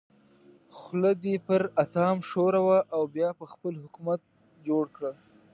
خوله دې پر اتام ښوروه او بیا به خپل حکومت جوړ کړو.